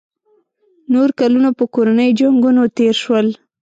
نور کلونه په کورنیو جنګونو تېر شول.